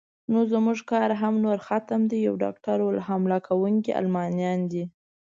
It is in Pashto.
نو زموږ کار هم نور ختم دی، یو ډاکټر وویل: حمله کوونکي المانیان دي.